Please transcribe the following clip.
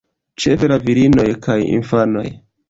Ĉefe la virinoj kaj infanoj.